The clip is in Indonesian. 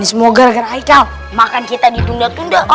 ini semoga agar aikal makan kita di tunda tunda